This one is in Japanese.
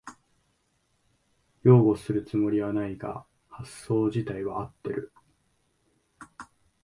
擁護するつもりはないが発想じたいは合ってる